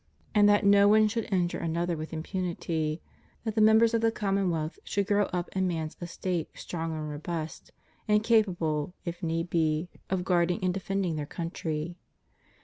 231 and that no one should injure another with impunity; that the members of the commonwealth should grow up to man's estate strong and robust, and capable, if need be, of guarding and defending their country.